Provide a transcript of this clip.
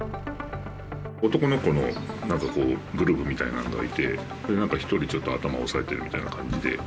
男の子のグループみたいなのがいて、それでなんか、１人、頭を押さえてるみたいな感じで。